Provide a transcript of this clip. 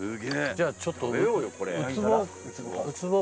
じゃあちょっとウツボ。